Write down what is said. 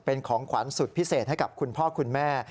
เป็นของขวัญสุดพิเศษให้กับคุณพ่อคุณแม่